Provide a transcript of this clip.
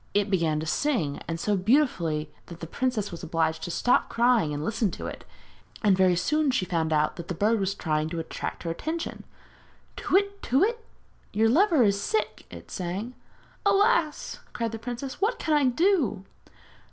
It began to sing, and so beautifully that the princess was obliged to stop crying and listen to it, and very soon she found out that the bird was trying to attract her attention. 'Tu whit, tu whit! your lover is sick!' it sang. 'Alas!' cried the princess. 'What can I do?'